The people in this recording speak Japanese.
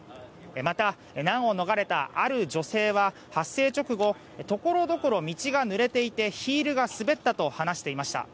また、難を逃れたある女性は発生直後所々、道がぬれていてヒールが滑ったと話していました。